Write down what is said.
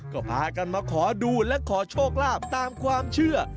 ก็พากันมาขอดูและขอโชคลาภตามความเชื่อ